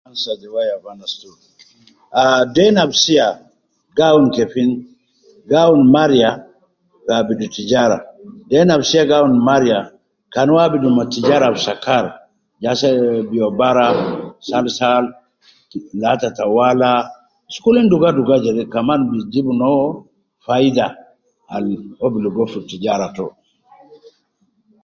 Ah den ab sia gi awun kefin, gi awun mariya abidu tijara, den ab sia gi awun maria kan uwo abidu me tijara ab sakar ya saa je biyalo salsal ,lata te wala ,sokolin duga duga ab kaman bi jib no faida al uwo bi ligo fi tijara to